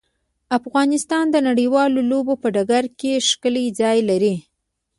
افغانستان د نړیوالو لوبو په ډګر کې ښکلی ځای لري.